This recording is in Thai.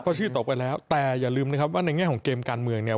เพราะชื่อตกไปแล้วแต่อย่าลืมนะครับว่าในแง่ของเกมการเมืองเนี่ย